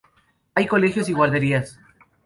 Hay colegios y guarderías.